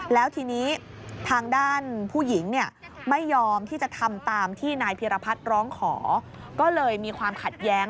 แล้วทีนี้ทางด้านผู้หญิงเนี่ยไม่ยอมที่จะทำตามที่นายพิรพัฒน์ร้องขอก็เลยมีความขัดแย้ง